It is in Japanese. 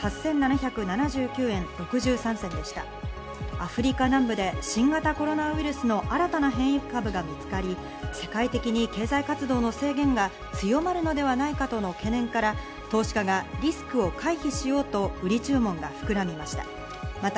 アフリカ南部で新型コロナウイルスの新たな変異株が見つかり、世界的に経済活動の制限が強まるのではないかとの懸念から、投資家がリスクを回避しようと売り注文が膨らみました。